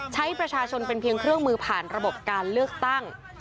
ใช้ประชาชนเป็นเพียงเครื่องมือผ่านระบบการเลือกตั้ง